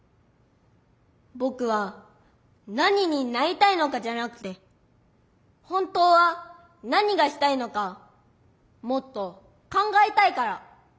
ぼくは何になりたいのかじゃなくて本当は何がしたいのかもっと考えたいから。